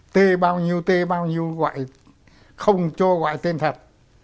t bao nhiêu t bao nhiêu gọi không cho gọi tên thật